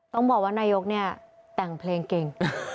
ต้องบอกว่านายกเนี่ยแต่งเพลงเก่ง